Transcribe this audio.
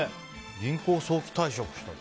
銀行を早期退職したって。